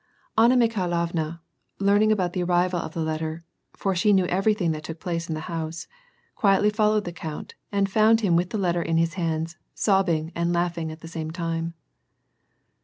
Anna .Mikhailovna learning about the arrival of the letter — for she knew everything that took place in the house — quietly followed the count, and found him with the letter in his hands, sobbing and laughing at the same time.